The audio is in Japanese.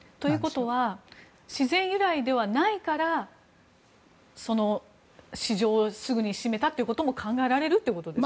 ということは自然由来ではないから市場をすぐに閉めたということも考えられるということですか？